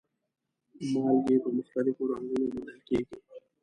مالګې په مختلفو رنګونو موندل کیږي.